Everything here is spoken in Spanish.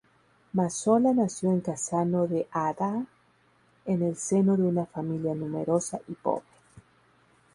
Mazzola nació en Cassano d'Adda, en el seno de una familia numerosa y pobre.